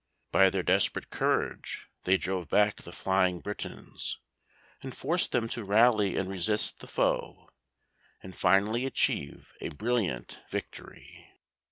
By their desperate courage they drove back the flying Britons, and forced them to rally and resist the foe, and finally achieve a brilliant victory.